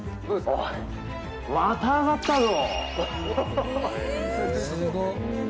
おいまた上がったぞ！